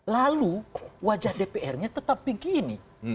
lalu wajah dpr nya tetap begini